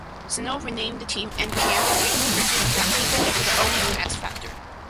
Snow renamed the team and began to recruit people into the "All-New X-Factor".